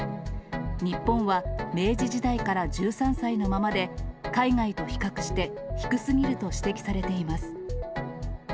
日本は明治時代から１３歳のままで、海外と比較して、低すぎると指摘されています。